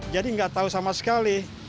jadi nggak tahu sama sekali